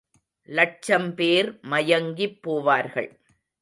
லட்சம் பேர் மயங்கிப் போவார்கள்.